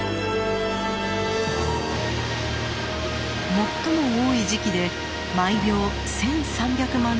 最も多い時期で毎秒１，３００万リットル。